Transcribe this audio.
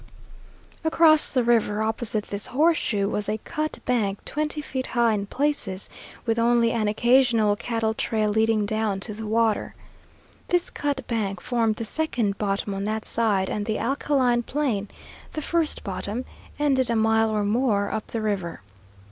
Across the river, opposite this horseshoe, was a cut bank twenty feet high in places, with only an occasional cattle trail leading down to the water. This cut bank formed the second bottom on that side, and the alkaline plain the first bottom ended a mile or more up the river.